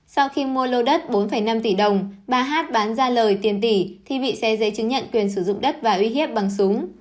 sau khi mua lô đất bốn năm tỷ đồng bà hát bán ra lời tiền tỷ thì bị xe giấy chứng nhận quyền sử dụng đất và uy hiếp bằng súng